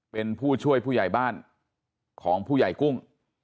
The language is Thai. เป็นผู้ช่วยผู้ใหญ่บ้านของผู้ใหญ่กุ้ง